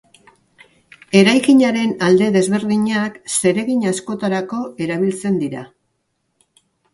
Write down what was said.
Eraikinaren alde desberdinak zeregin askotarako erabiltzen dira.